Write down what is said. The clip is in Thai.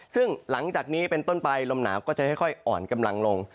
ซึ่งหลังจากนี้เป็นต้นไปลมหนาวก็จะค่อยอ่อนกำลังลง